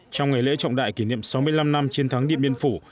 trong ngày lễ trọng đại kỷ niệm sáu mươi năm năm chiến thắng điện biên phủ